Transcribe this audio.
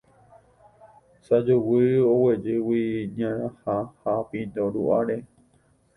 sajuguy oguejyguejy narãha ha pindo ru'ãre